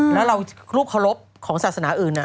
แล้วรูปสารสนะอยู่หรามันปัดออกมาเลย